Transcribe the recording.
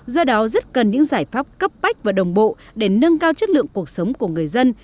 do đó rất cần những giải pháp cấp bách và đồng bộ để nâng cao chất lượng cuộc sống của người dân